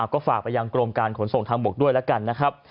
ก็ฝากไปยังกรมการขนส่งทางบกด้วยแล้วกันนะครับ